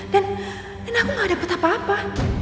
dan aku gak dapet apa apa